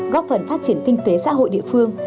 góp phần phát triển kinh tế xã hội địa phương